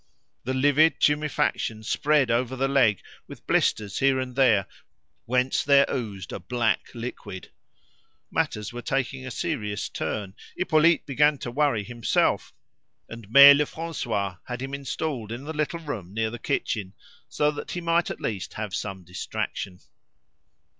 The livid tumefaction spread over the leg, with blisters here and there, whence there oozed a black liquid. Matters were taking a serious turn. Hippolyte began to worry himself, and Mere Lefrancois, had him installed in the little room near the kitchen, so that he might at least have some distraction.